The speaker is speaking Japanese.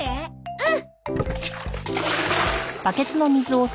うん。